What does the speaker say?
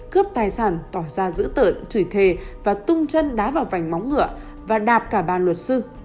cướp tài sản tỏ ra giữ tợn chửi thề và tung chân đá vào vành móng ngựa và đạp cả ba luật sư